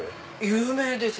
有名です。